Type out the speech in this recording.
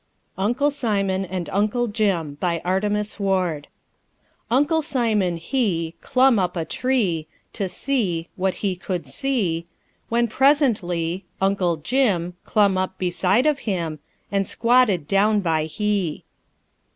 UNCLE SIMON AND UNCLE JIM BY ARTEMUS WARD Uncle Simon he Clumb up a tree To see What he could see, When presentlee Uncle Jim Clumb up beside of him And squatted down by he.